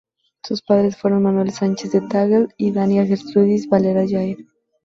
Sus padres fueron Manuel Sánchez de Tagle y Daniela Gertrudis Varela Jair.